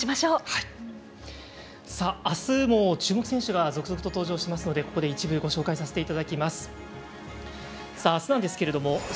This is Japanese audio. あすも注目選手が続々と登場しますのでここで一部ご紹介させていただきます。